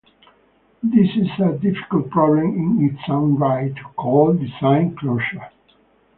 This is a difficult problem in its own right, called design closure.